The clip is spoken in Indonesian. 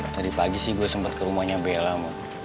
tadi pagi sih gue sempet ke rumahnya bella ma